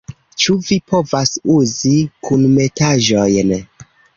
- Ĉu vi povas uzi kunmetaĵojn?